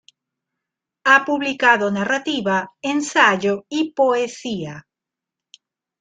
Ha publicado narrativa, ensayo y poesía.